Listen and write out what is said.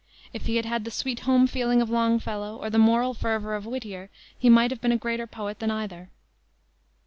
If he had had the sweet home feeling of Longfellow or the moral fervor of Whittier he might have been a greater poet than either.